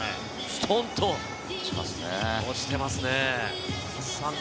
ストンと落ちていますね。